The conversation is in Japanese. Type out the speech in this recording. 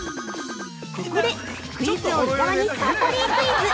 ◆ここで、クイズ王・伊沢にサントリークイズ！